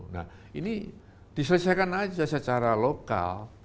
nah ini diselesaikan aja secara lokal